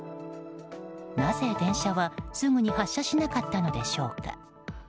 なぜ、電車はすぐに発車しなかったのでしょうか。